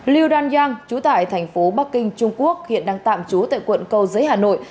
liêu đoan yang trú tại thành phố bắc kinh trung quốc hiện đang tạm trú tại quận cầu giấy hà nội